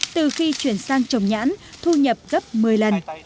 từ khi chuyển sang trồng nhãn thu nhập gấp một mươi lần